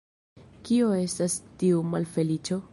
Kio estas tiu malfeliĉo?